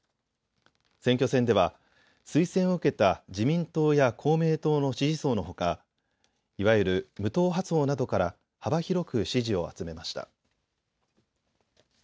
選挙戦では推薦を受けた自民党や公明党の支持層のほかいわゆる無党派層などから幅広く支持を集めました。